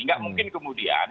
enggak mungkin kemudian